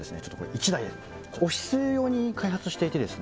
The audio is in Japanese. １台オフィス用に開発していてですね